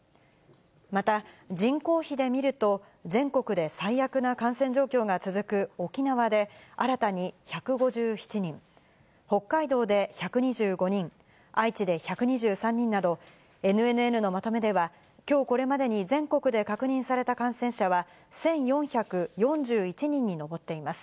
また、人口比で見ると全国で最悪な感染状況が続く沖縄で新たに１５７人、北海道で１２５人、愛知で１２３人など、ＮＮＮのまとめでは、きょうこれまでに全国で確認された感染者は、１４４１人に上っています。